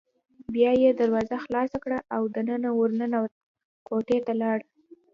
بیا یې دروازه خلاصه کړه او دننه ور ننوت، کوټې ته لاړ.